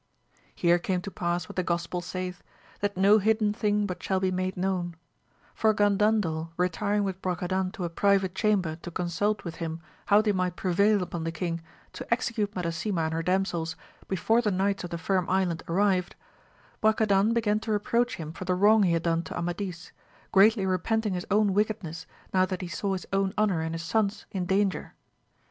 Here came to pass what the Gospel saith. That no hidden thing but shall be made known ; for Gandan del retiring with Brocadan to a private chamber to consult with him how they might prevail upon the king to execute Madasima and her damsels before the knights of the Firm Island arrived, Brocadan began to reproach him for the wrong he had done to Amadis, greatly repenting his own wickedness now that he saw his own honour and his sons in danger.